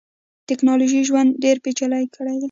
ټکنالوژۍ ژوند ډیر پېچلی کړیدی.